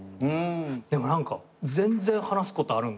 でも何か全然話すことあるんだなと思って。